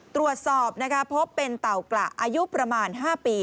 ตรวจสอบนะคะพบเป็นเต่ากระอายุประมาณ๕ปี